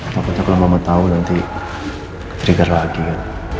takutnya kalau mama tau nanti ketrigger lagi ya